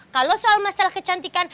kalau soal masalah kecantikan